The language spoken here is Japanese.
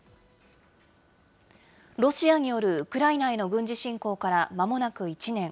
ロシアによるウクライナへの軍事侵攻からまもなく１年。